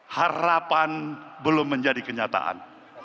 harapan belum menjadi kenyataan